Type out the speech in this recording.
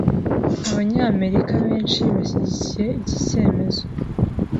Abanyamerika benshi bashyigikiye iki cyemezo.